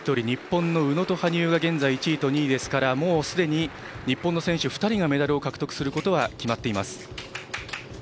日本の宇野と羽生が１位と２位ですからもうすでに日本の選手２人がメダルを獲得することは決まっています。